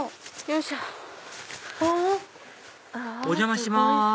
お邪魔します